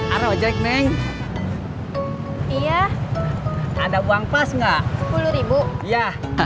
ada ojek neng iya ada uang pas enggak rp sepuluh ya